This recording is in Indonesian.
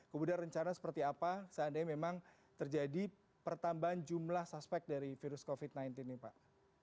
kemudian rencana seperti apa seandainya memang terjadi pertambahan jumlah suspek dari virus covid sembilan belas ini pak